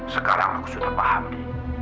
sekarang aku sudah paham lili